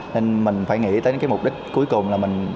nên mình phải nghĩ tới cái mục đích cuối cùng là mình